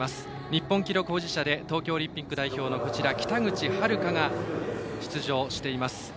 日本記録保持者で東京オリンピック代表の北口榛花が出場しています。